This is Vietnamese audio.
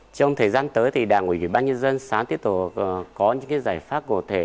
trong thời gian tới thì đảng ủy ban nhân dân sáng tiếp tục có những giải pháp cổ thể